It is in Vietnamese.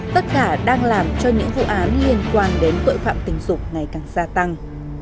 tất cả đang làm cho những vụ án liên quan đến tội phạm tình dục ngày càng gia tăng